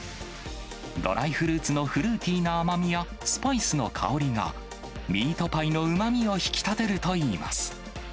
ドライフルーツのフルーティーな甘みや、スパイスの香りが、ミートパイのうまみを引き立てるといいます。